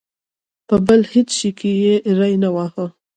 په بل هېڅ شي کې یې ری نه واهه.